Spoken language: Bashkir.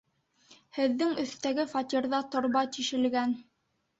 Һеҙҙең өҫтәге фатирҙа торба тишелгән.